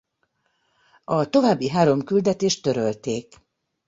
A további három küldetést törölték.